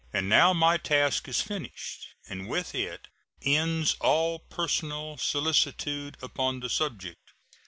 And now my task is finished, and with it ends all personal solicitude upon the subject.